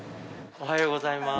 おはようございます。